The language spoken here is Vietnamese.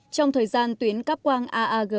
trong thời gian tuyến cắp quăng aag